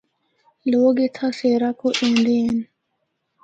لوگ اِتھا سیرا کو ایندے ہن۔